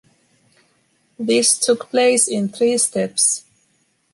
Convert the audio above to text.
This took place in three steps.